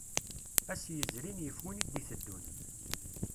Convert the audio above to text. Ass yezrin yif win i d-iteddun.